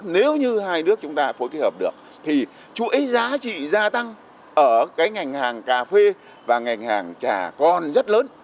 nếu như hai nước chúng ta phối kết hợp được thì chuỗi giá trị gia tăng ở cái ngành hàng cà phê và ngành hàng trà con rất lớn